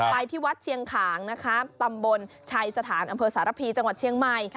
ไปที่วัดเชียงขางนะคะตำบลชัยสถานอำเภอสารพีจังหวัดเชียงใหม่